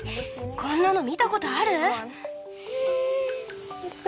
こんなの見たことある？